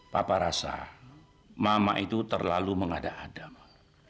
papa rasa mama itu terlalu mengada ada ma